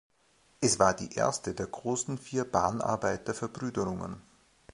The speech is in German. Es war die erste der „Großen Vier“ Bahnarbeiterverbrüderungen.